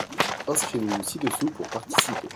inscrivez-vous ci-dessous pour participer.